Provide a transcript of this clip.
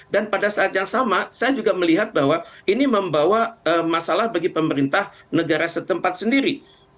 pada saat yang sama saya juga melihat bahwa ini membawa masalah bagi pemerintah negara setempat sendiri